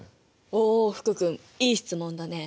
お福君いい質問だね！